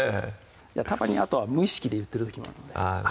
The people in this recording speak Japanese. たまにあとは無意識で言ってる時もあるのであぁ